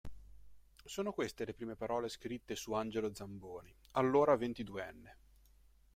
Sono queste le prime parole scritte su Angelo Zamboni, allora ventiduenne.